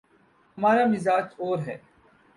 ہمارامزاج اور ہے۔